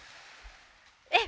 えっ！